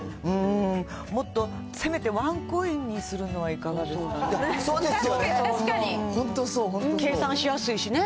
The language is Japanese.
もっと、せめてワンコインにするのはいかがでしょうかね。